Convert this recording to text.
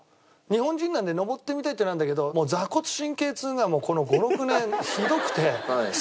日本人なので登ってみたいっていうのはあるんだけど坐骨神経痛がもうこの５６年ひどくて。